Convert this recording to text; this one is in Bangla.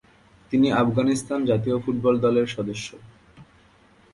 তিনি আফগানিস্তান জাতীয় ফুটবল দল এর সদস্য।